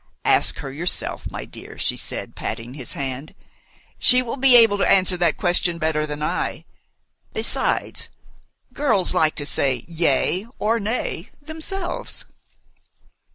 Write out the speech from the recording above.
"Ask her yourself, my dear," she said, patting his hand. "She will be able to answer that question better than I. Besides, girls like to say 'yea' or 'nay,' themselves."